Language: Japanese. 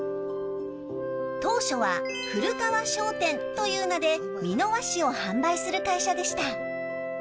当初は、古川商店という名で美濃和紙を販売する会社でした。